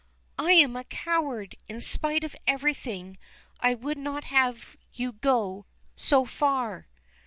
"I am a coward! In spite of everything I would not have you go so far!"